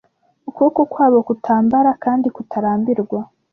Ukuboko kwabo kutambara kandi kutarambirwa